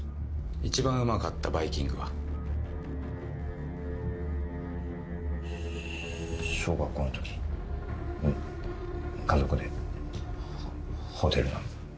一番うまかったバイキングは？小学校の時家族でホテルの。